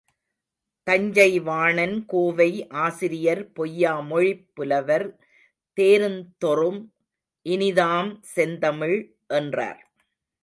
தஞ்சைவாணன் கோவை ஆசிரியர் பொய்யா மொழிப் புலவர், தேருந்தொறும் இனிதாம் செந்தமிழ் என்றார்.